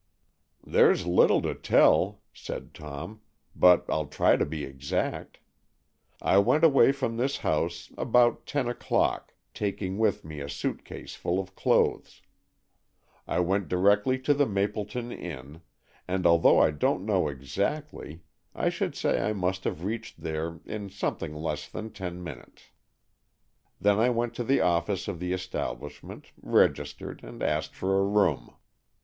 "There's little to tell," said Tom, "but I'll try to be exact. I went away from this house about ten o'clock, taking with me a suit case full of clothes. I went directly to the Mapleton Inn, and though I don't know exactly, I should say I must have reached there in something less than ten minutes. Then I went to the office of the establishment, registered, and asked for a room.